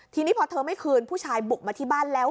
ทีนี้พอเธอไม่คืนผู้ชายบุกมาที่บ้านแล้ว